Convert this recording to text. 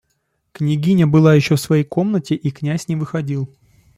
Княгиня была еще в своей комнате, и князь не выходил.